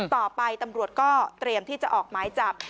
ต่อไปตำรวจก็เตรียมที่จะออกหมายจับ